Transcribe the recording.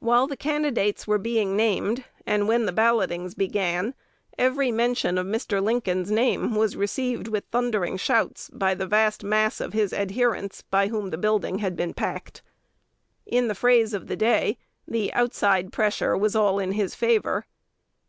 While the candidates were being named, and when the ballotings began, every mention of Mr. Lincoln's name was received with thundering shouts by the vast mass of his adherents by whom the building had been packed. In the phrase of the day, the "outside pressure" was all in his favor.